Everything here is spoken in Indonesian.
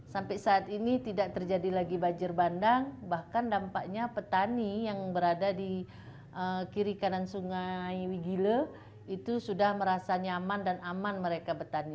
sampai saat ini tidak terjadi lagi banjir bandang bahkan dampaknya petani yang berada di kiri kanan sungai wigile itu sudah merasa nyaman dan aman mereka petani